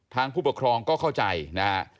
ผู้ปกครองก็เข้าใจนะฮะ